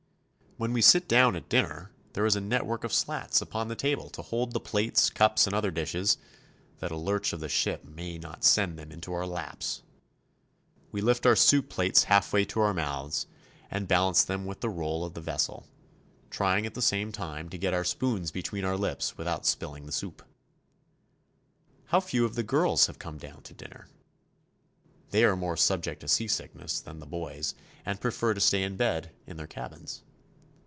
When we sit down at dinner there is a network of slats upon the table to hold the plates, cups, and other dishes, that a lurch of the ship may not send them into our laps. We lift our soup plates halfway to our mouths and balance 1 50 CHILE them with the roll of the vessel, trying at the same time to get our spoons between our lips without spilling the soup. How few of the girls have come down to dinner ! They are more subject to seasickness than the boys, and prefer to stay in bed in their cabins.